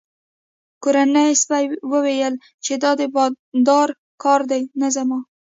کورني سپي وویل چې دا د بادار کار دی نه زما.